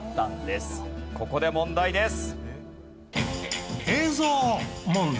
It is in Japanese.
ここで問題です。